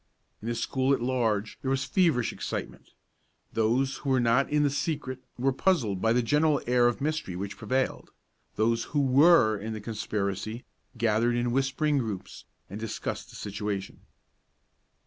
In the school at large there was feverish excitement. Those who were not in the secret were puzzled by the general air of mystery which prevailed. Those who were in the conspiracy gathered in whispering groups, and discussed the situation.